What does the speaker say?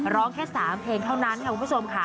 ร้องแค่๓เพลงเท่านั้นค่ะคุณผู้ชมค่ะ